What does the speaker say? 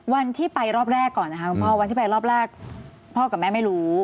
วันที่ไปรอบแรกก่อนนะคะคุณพ่อวันที่ไปรอบแรกพ่อกับแม่ไม่รู้